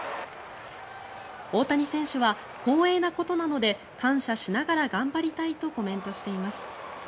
大谷選手は光栄なことなので感謝しながら頑張りたいとコメントしています。